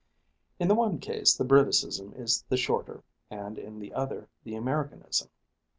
In the one case the Briticism is the shorter, and in the other the Americanism.